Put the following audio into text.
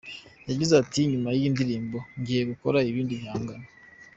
Yagize ati “Nyuma y’iyi ndirimbo, ngiye gukora ibindi bihangano.